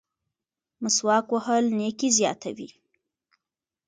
مسواک وهل نیکي زیاتوي.